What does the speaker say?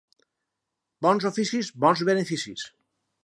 Bons oficis, bons beneficis.